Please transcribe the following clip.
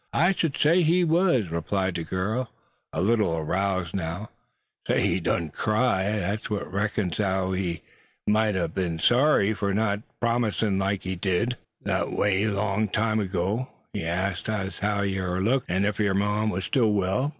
"I shud say he war," replied the girl, a little aroused now. "Say, he done cry, thet's what. Reckons as how he mout a be'n sorry fur not promisin' like they wanted long ergo. He arsks as how yer looked, an' ef yer mam war still well.